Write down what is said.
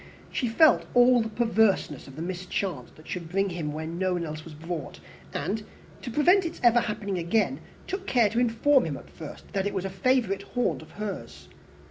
She felt all the perverseness of the mischance that should bring him where no one else was brought; and, to prevent its ever happening again, took care to inform him, at first, that it was a favourite haunt of hers.